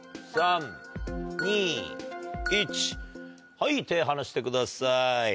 はい手離してください。